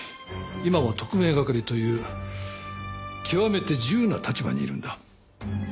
今は特命係という極めて自由な立場にいるんだ。